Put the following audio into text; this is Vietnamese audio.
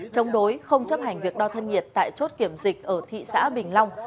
chống đối không chấp hành việc đo thân nhiệt tại chốt kiểm dịch ở thị xã bình long